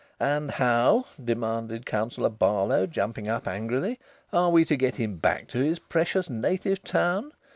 "And how," demanded Councillor Barlow, jumping up angrily, "are we to get him back to his precious native town?